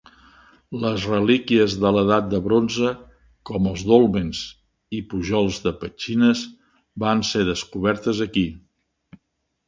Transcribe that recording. Les relíquies de l'Edat de Bronze, com els dòlmens i pujols de petxines, van ser descobertes aquí.